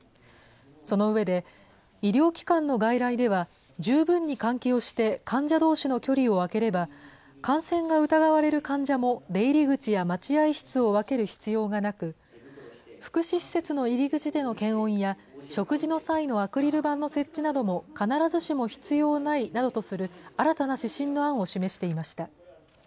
その上で、医療機関の外来では、十分に換気をして患者どうしの距離を空ければ、感染が疑われる患者も出入り口や待合室を分ける必要がなく、福祉施設の入り口での検温や、食事の際のアクリル板の設置なども必ずしも必要ないなどとする新たな指針の案を示していました。